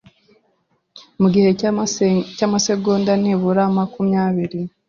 mu gihe cy'amasegonda nibura makumyabiri